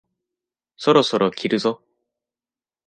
そろそろ切るぞ？